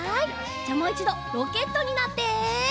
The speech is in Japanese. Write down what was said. じゃもう１どロケットになって。